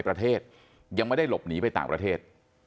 ประเทศยังไม่ได้หลบหนีไปต่างประเทศ